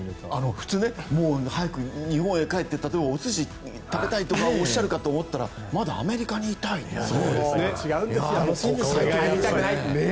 早く日本へ帰ってお寿司を食べたいとかおっしゃるかと思ったらまだアメリカにいたいって。